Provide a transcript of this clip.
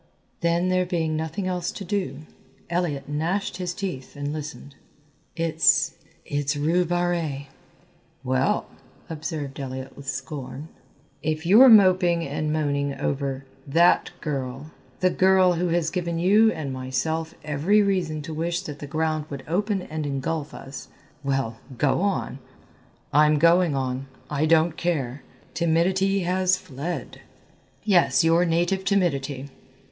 Then there being nothing else to do, Elliott gnashed his teeth and listened. "It's it's Rue Barrée." "Well," observed Elliott, with scorn, "if you are moping and moaning over that girl, the girl who has given you and myself every reason to wish that the ground would open and engulf us, well, go on!" "I'm going on, I don't care; timidity has fled " "Yes, your native timidity."